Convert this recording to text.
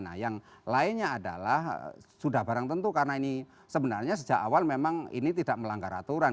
nah yang lainnya adalah sudah barang tentu karena ini sebenarnya sejak awal memang ini tidak melanggar aturan